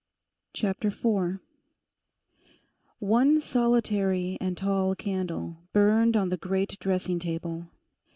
CHAPTER FOUR One solitary and tall candle burned on the great dressing table.